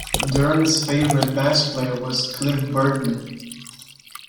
Dirnt's favorite bass player was Cliff Burton.